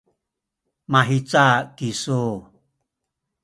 mahica kisu?